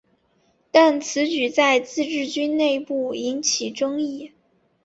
但此举在自治军内部引起争议。